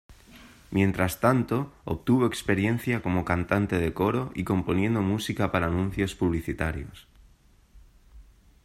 Mientras tanto, obtuvo experiencia como cantante de coro y componiendo música para anuncios publicitarios.